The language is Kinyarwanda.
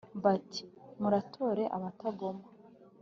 . Bati : Muratore abatagoma.